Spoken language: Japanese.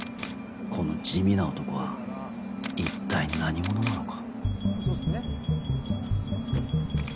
この地味な男は一体何者なのか？